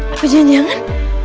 apa janjian kan